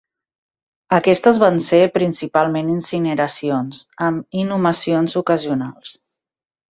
Aquestes van ser principalment incineracions, amb inhumacions ocasionals.